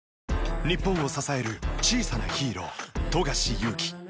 日本を支える小さなヒーロー富樫勇樹。